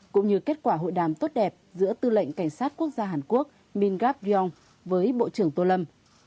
cũng như kết quả hội đàm tốt đẹp giữa tư lệnh cảnh sát quốc gia hàn quốc min gap ryong với bộ trưởng tô lâm